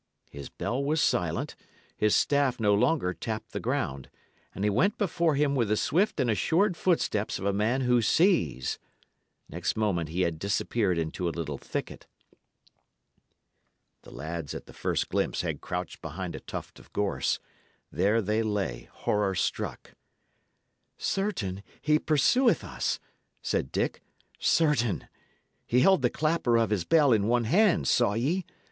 His bell was silent, his staff no longer tapped the ground, and he went before him with the swift and assured footsteps of a man who sees. Next moment he had disappeared into a little thicket. The lads, at the first glimpse, had crouched behind a tuft of gorse; there they lay, horror struck. "Certain, he pursueth us," said Dick "certain! He held the clapper of his bell in one hand, saw ye?